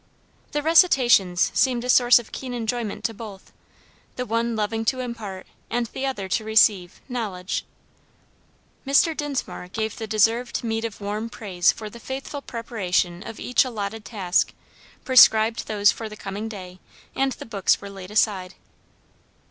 The recitations seemed a source of keen enjoyment to both; the one loving to impart, and the other to receive, knowledge. Mr. Dinsmore gave the deserved meed of warm praise for the faithful preparation of each allotted task, prescribed those for the coming day, and the books were laid aside.